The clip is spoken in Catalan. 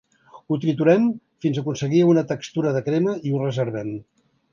Ho triturem fins aconseguir una textura de crema i ho reservem.